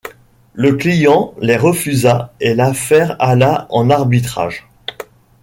Le client les refusa et l'affaire alla en arbitrage.